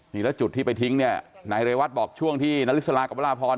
นี่แล้วจุดที่ไปทิ้งเนี่ยนายเรยวัฒน์บอกช่วงที่นฤษฎรากบรพร